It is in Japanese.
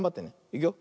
いくよ。